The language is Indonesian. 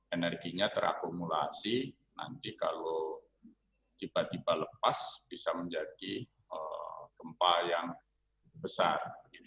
energinya terakumulasi nanti kalau tiba tiba lepas bisa menjadi gempa yang besar